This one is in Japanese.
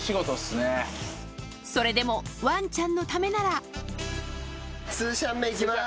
それでもワンちゃんのためならいきます！